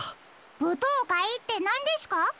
ぶとうかいってなんですか？